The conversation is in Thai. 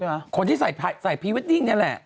คือคนที่ใส่พีเวตติ้งนี่แหละ